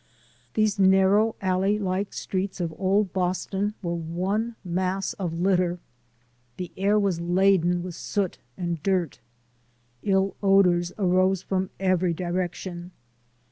These narrow alley like streets of Old Bos ton were one mass of litter. The air was laden with soot and dirt. Ill odors arose from every direction.